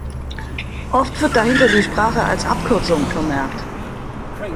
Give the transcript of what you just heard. Oft wird dahinter die Sprache als Abkürzung vermerkt.